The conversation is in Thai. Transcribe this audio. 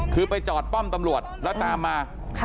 คือไปจอดป้อมตำรวจแล้วตามมา